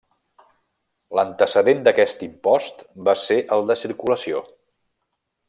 L'antecedent d'aquest impost va ser el de Circulació.